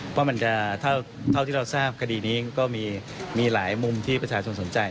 เพราะมันจะเท่าที่เราทราบคดีนี้ก็มีหลายมุมที่ประชาชนสนใจ